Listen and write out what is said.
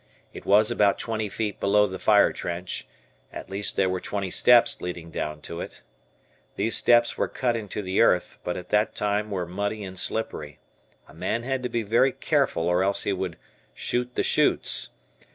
It was about twenty feet below the fire trench; at least there were twenty steps leading down to it. These steps were cut into the earth, but at that time were muddy and slippery. A man had to be very careful or else he would "shoot the chutes."